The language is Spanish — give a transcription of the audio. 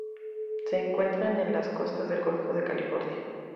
Se encuentran en las costas del Golfo de California.